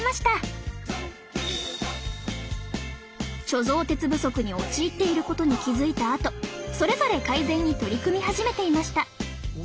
貯蔵鉄不足に陥っていることに気付いたあとそれぞれ改善に取り組み始めていました。